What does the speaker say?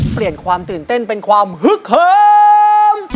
เปลี่ยนความตื่นเต้นเป็นความฮึกเหิม